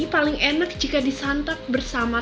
paling enak jika disantap bersama